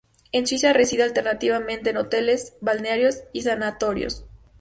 En Suiza reside alternativamente en hoteles, balnearios y sanatorios.